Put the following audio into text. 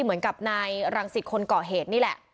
เหมือนกับในรังสิทธิ์คนเกาะเหตุนี่แหละ